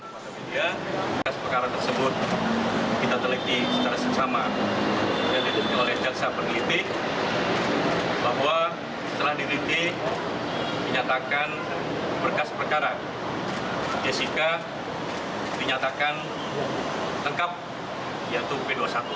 lengkap yaitu p dua puluh satu